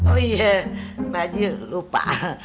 oh iya mah aja lupa